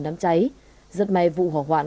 đám cháy giật may vụ hỏa hoạn